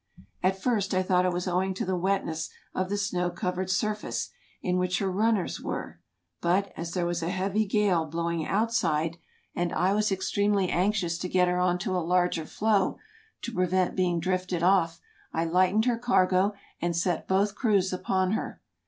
At first I thought it was owing to the wetness of the snow covered surface in which her run ners were ; but, as there was a heavy gale blowing outside, 168 TRAVELERS AND EXPLORERS and I was extremely anxious to get her on to a larger floe to prevent being drifted off, I lightened her cargo and set both crews upon her.